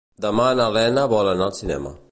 Demà na Lena vol anar al cinema.